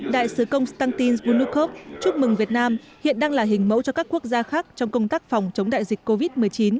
đại sứ konstantin zbunukov chúc mừng việt nam hiện đang là hình mẫu cho các quốc gia khác trong công tác phòng chống đại dịch covid một mươi chín